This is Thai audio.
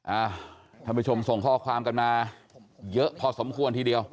อ่าท่านผู้ชมส่งข้อความกันมาเยอะพอสมควรทีเดียว